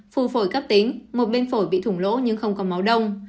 phù phổi cấp tính một bên phổi bị thủng lỗ nhưng không có máu đông